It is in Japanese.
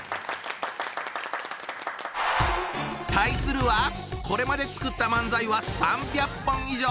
対するはこれまで作った漫才は３００本以上！